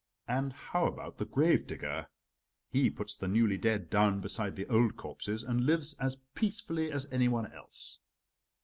"And how about the gravedigger? He puts the newly dead down beside the old corpses, and lives as peacefully as anyone else."